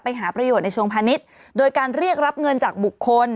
หาประโยชน์ในเชิงพาณิชย์โดยการเรียกรับเงินจากบุคคล